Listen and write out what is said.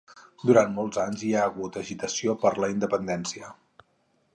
Durant molts anys hi ha hagut agitació per a la independència.